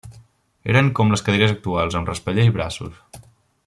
Eren com les cadires actuals amb respatller i braços.